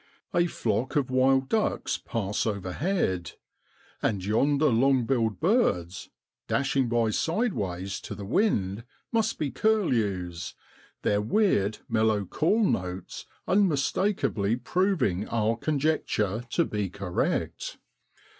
A flock of wild ducks pass overhead, and yonder long billed birds, dashing by sideways to the wind, must be curlews, their weird, mellow call notes unmistakably proving o 10(5 OCTOBER IN SROADLAND. our conjecture to be correct.